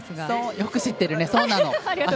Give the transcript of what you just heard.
よく知ってるね、そうなの。